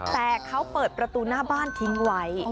แต่เขาเปิดประตูหน้าบ้านทิ้งไว้